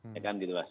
ya kan gitu mas